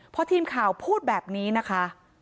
พอทีมข่าวพูดแบบนี้นะคะ